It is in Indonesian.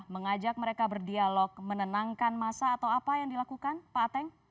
mengajak mereka berdialog menenangkan masa atau apa yang dilakukan pak ateng